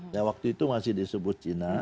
ya waktu itu masih disebut cina